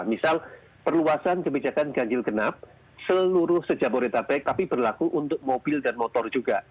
misal perluasan kebijakan ganggil kenap seluruh se jabodetabek tapi berlaku untuk mobil dan motor juga